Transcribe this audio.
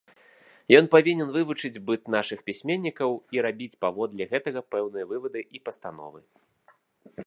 Ён павінен вывучыць быт нашых пісьменнікаў і рабіць паводле гэтага пэўныя вывады і пастановы.